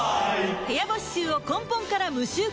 部屋干し臭を根本から無臭化